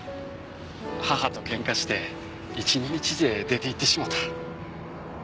母とケンカして１日で出て行ってしもた。